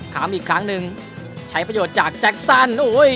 ถามอีกครั้งหนึ่งใช้ประโยชน์จากแจ็คซัน